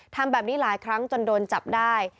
ทำแบบนี้หลายครั้งจนโดนจับได้